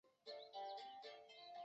马尔坦瓦斯。